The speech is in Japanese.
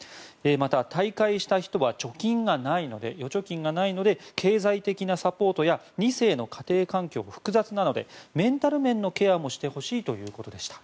また、退会した人は預貯金がないので経済的なサポートや２世の家庭環境は複雑なのでメンタル面のケアもしてほしいということでした。